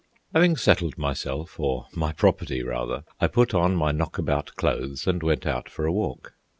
Having settled myself, or my property rather, I put on my knockabout clothes and went out for a walk.